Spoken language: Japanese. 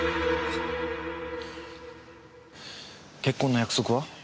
結婚の約束は？